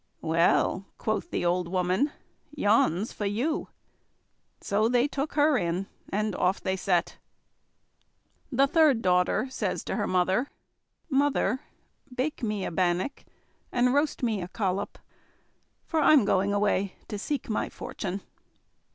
"Well," quoth the old woman, "yon's for you." So they took her in, and off they set. The third daughter says to her mother: "Mother, bake me a bannock, and roast me a collop, for I'm going away to seek my fortune."